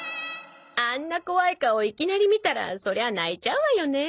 あんな怖い顔いきなり見たらそりゃ泣いちゃうわよね。